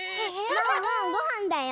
ワンワンごはんだよ。